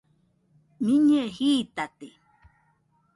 Miñɨe jitate.